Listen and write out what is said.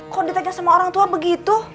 kok ditanya semua orang tua begitu